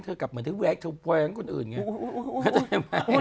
เธอก็เหมือนเธอแว๊กเธอแว๊งคนอื่นไง